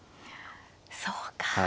そうか。